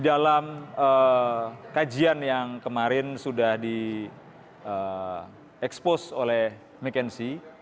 dalam kajian yang kemarin sudah diekspos oleh mckinsey